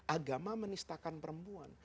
agama menistakan perempuan